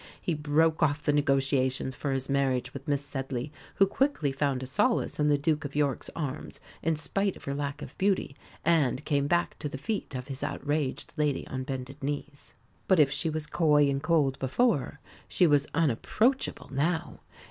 He broke off the negotiations for his marriage with Miss Sedley, who quickly found a solace in the Duke of York's arms in spite of her lack of beauty, and came back to the feet of his outraged lady on bended knees. But if she was coy and cold before, she was unapproachable now.